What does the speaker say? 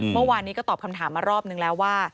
เมื่อวานนี้ก็ตอบคำถามมารอบนึงแล้วว่า